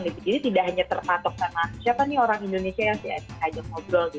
jadi tidak hanya terpatok sama siapa nih orang indonesia yang si adi kajang ngobrol gitu